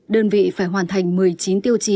đơn vị phải hoàn thành một mươi chín tiêu chí